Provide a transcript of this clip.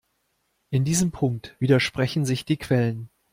In diesem Punkt widersprechen sich die Quellen.